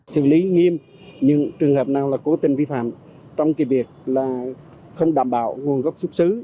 xử lý nghiêm những trường hợp nào là cố tình vi phạm trong việc là không đảm bảo nguồn gốc xuất xứ